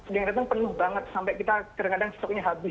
dia datang penuh banget sampai kita kadang kadang stoknya habis